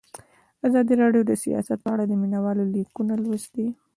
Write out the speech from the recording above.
ازادي راډیو د سیاست په اړه د مینه والو لیکونه لوستي.